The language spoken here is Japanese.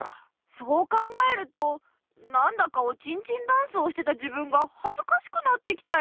そう考えるとなんだかおちんちんダンスをしてた自分がはずかしくなってきたよ。